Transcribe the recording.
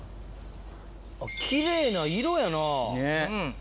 きれいな色やな。ね。